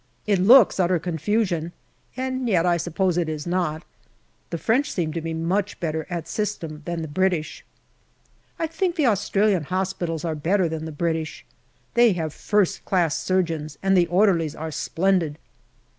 It looks utter confusion, and yet I suppose it is not. The French seem to be much better at system than the British. I think the Australian Hospitals are better than the British. They have first class surgeons, and the orderlies are splendid.